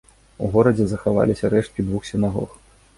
У горадзе захаваліся рэшткі двух сінагог.